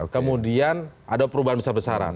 kemudian ada perubahan besar besaran